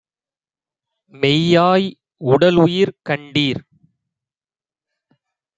மெய்யாய் உடலுயிர் கண்டீர்!